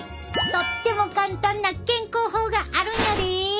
とっても簡単な健康法があるんやで！